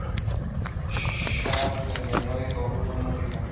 Sharp enseñó y compuso música.